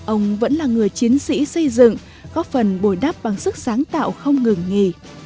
ông vẫn là người chiến sĩ xây dựng góp phần bồi đắp bằng sức sáng tạo không ngừng nghỉ